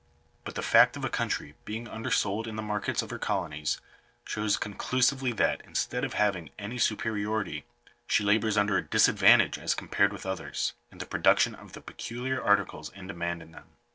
But the fact of a country being undersold in the markets of her colonies, shows conclusively that, instead of having any superiority, she labours under a disadvantage, as compared with others, in the production of the peculiar articles in demand in them.